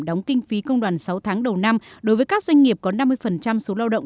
đóng kinh phí công đoàn sáu tháng đầu năm đối với các doanh nghiệp có năm mươi số lao động